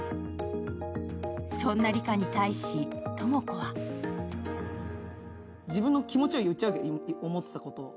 そんな梨花に対し知子は自分の気持ちを言っちゃうわけ、思ってたことを。